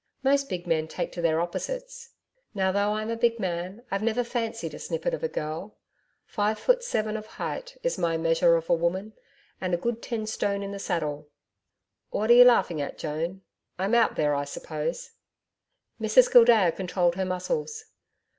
Most big men take to their opposites. Now, though I'm a big man I've never fancied a snippet of a girl. Five foot seven of height is my measure of a woman, and a good ten stone in the saddle What are you laughing at, Joan? I'm out there, I suppose?' Mrs Gildea controlled her muscles.